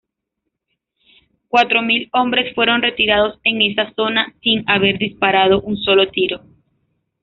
Cuatro mil hombres fueron retirados en esa zona sin haber disparado un solo tiro.